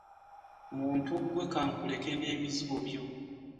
Muntu ggwe ka nkuleke n'ebizibu byo.